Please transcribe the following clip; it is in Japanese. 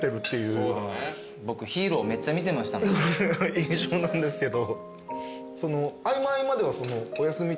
一緒なんですけど。